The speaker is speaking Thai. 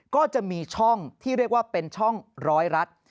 ก็จะมีช่องที่เรียกว่าเป็นช่องร้อยรัฐ